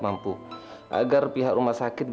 waduh monte sakit